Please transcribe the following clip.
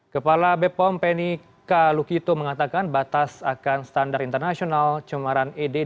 kepala bepom penny k lukito mengatakan batas akan standar internasional cemaran ed